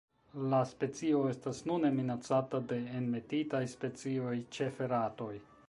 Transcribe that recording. La specio estas nune minacata de enmetitaj specioj, ĉefe ratoj.